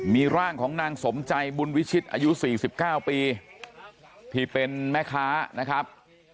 มีร่างของนางสมใจบุญวิชิตอายุ๔๙ปีที่เป็นแม่ค้านะครับ